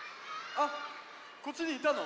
あっこっちにいたの？